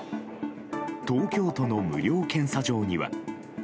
東京都の無料検査場には。